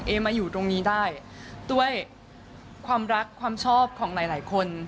มาอยู่ตรงนี้ได้ด้วยความรักความชอบของหลายหลายคน